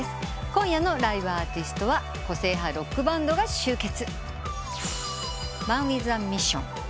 今夜のライブアーティストは個性派ロックバンドが集結。